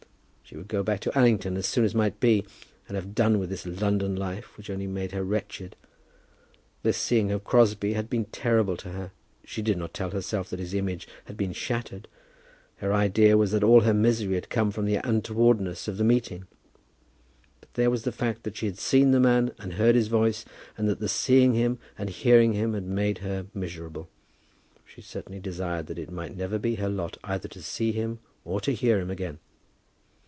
She would go back to Allington as soon as might be, and have done with this London life, which only made her wretched. This seeing of Crosbie had been terrible to her. She did not tell herself that his image had been shattered. Her idea was that all her misery had come from the untowardness of the meeting. But there was the fact that she had seen the man and heard his voice, and that the seeing him and hearing him had made her miserable. She certainly desired that it might never be her lot either to see him or to hear him again.